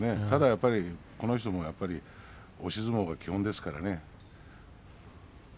ただやっぱりこの人も押し相撲が基本ですからね。